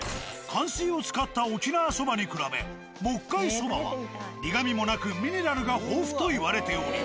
かん水を使った沖縄そばに比べ木灰そばは苦みもなくミネラルが豊富といわれており。